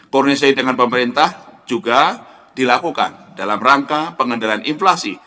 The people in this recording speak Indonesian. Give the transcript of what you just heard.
koordinasi dengan pemerintah juga dilakukan dalam rangka pengendalian inflasi